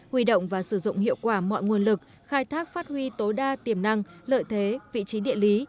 huy động và sử dụng hiệu quả mọi nguồn lực khai thác phát huy tối đa tiềm năng lợi thế vị trí địa lý